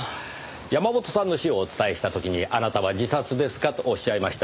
山本さんの死をお伝えした時にあなたは自殺ですか？とおっしゃいました。